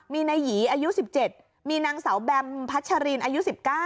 มีนายหยีอายุ๑๗มีนางสาวแบมพัชรินอายุ๑๙